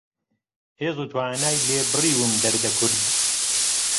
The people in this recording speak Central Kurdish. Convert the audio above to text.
هێز و توانای لێ بڕیوم دەردە کورد